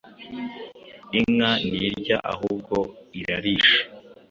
Inka ntirya ahubwo Irarisha